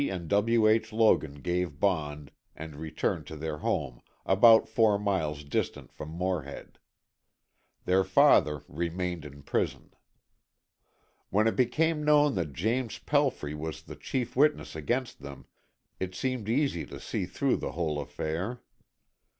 and W. H. Logan gave bond and returned to their home, about four miles distant from Morehead. Their father remained in prison. When it became known that James Pelfrey was the chief witness against them, it seemed easy to see through the whole affair.